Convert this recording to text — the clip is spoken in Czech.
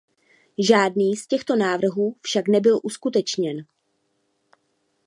Žádný z těchto návrhů však nebyl uskutečněn.